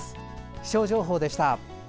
気象情報でした。